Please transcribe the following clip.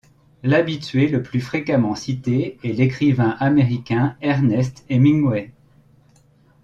L'habitué le plus fréquemment cité est l’écrivain américain Ernest Hemingway.